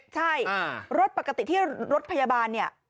ใช่รถปกติที่รถพยาบาลเนี่ย